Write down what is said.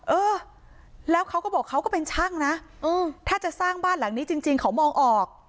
เออแล้วเขาก็บอกเขาก็เป็นช่างนะถ้าจะสร้างบ้านหลังนี้จริงเขามองออก